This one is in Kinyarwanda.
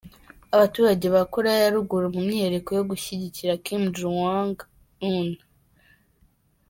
Abaturage ba Koreya ya ruguru mu myiyereko yo gushyigikira Kim Jong Un.